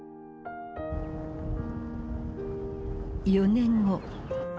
４年後。